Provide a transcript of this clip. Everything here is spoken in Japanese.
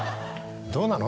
どうなの？